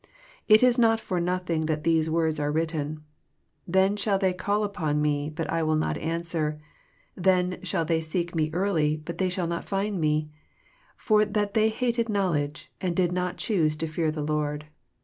It is not for nothing that these words are written, —" Then shall they call upon ^Me, but I will not answer ; they shall seek Me early, but they shall not find Me : for that they hated knowledge, and did not choose the fear of the Lord."